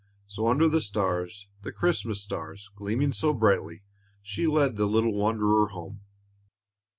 So, under the stars, the Christmas stars, gleaming so brightly, she led the little wanderer home.